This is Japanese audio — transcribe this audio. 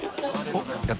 おっ！